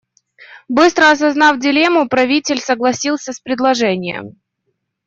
Быстро осознав дилемму, правитель согласился с предложением.